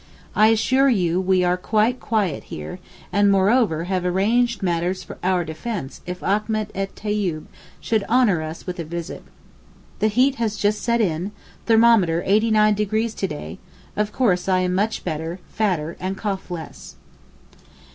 I assure you we are quite quiet here and moreover have arranged matters for our defence if Achmet et Tayib should honour us with a visit. The heat has just set in, thermometer 89° to day, of course I am much better, fatter and cough less.